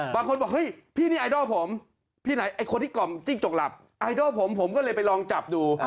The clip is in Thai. บางคนบอกพี่เนี่ยไอดอลผมไอดอลผมผมก็เลยไปลองจับดู